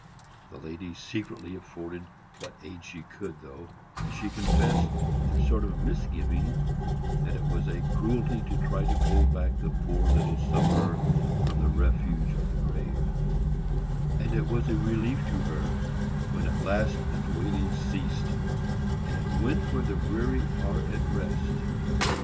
The lady secretly afforded what aid she could, though, as she confessed, with a sort of misgiving that it was a cruelty to try to hold back the poor little sufferer from the refuge of the grave; and it was a relief to her when at last its wailings ceased, and it went where the weary are at rest.